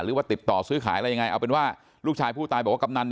หรือว่าติดต่อซื้อขายอะไรยังไงเอาเป็นว่าลูกชายผู้ตายบอกว่ากำนัน